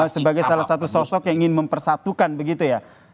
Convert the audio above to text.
sebagai salah satu sosok yang ingin mempersatukan begitu ya